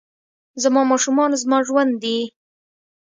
زما ماشومان زما ژوند دي